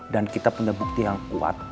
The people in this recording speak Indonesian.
dan kita punya bukti yang kuat